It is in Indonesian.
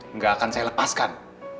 nggak akan saya lepaskan